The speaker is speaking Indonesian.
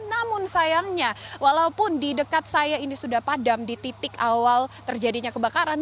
namun sayangnya walaupun di dekat saya ini sudah padam di titik awal terjadinya kebakaran